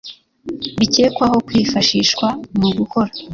Bikekwaho kwifashishwa mu gukora